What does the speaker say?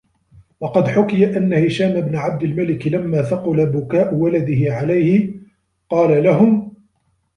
وَقَدْ حُكِيَ أَنَّ هِشَامَ بْنَ عَبْدِ الْمَلِكِ لَمَّا ثَقُلَ بُكَاءُ وَلَدِهِ عَلَيْهِ قَالَ لَهُمْ